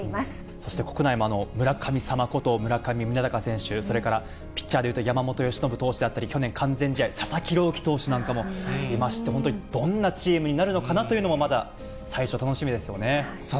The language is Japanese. そして国内も村神様こと、村上宗隆選手、それから、ピッチャーでいうと山本由伸投手であったり、去年、完全試合、佐々木朗希投手なんかもいまして、本当にどんなチームになるのかなというのも、また最初楽しみです